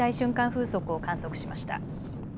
風速を観測しました。